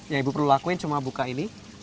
yang ibu perlu lakuin cuma buka ini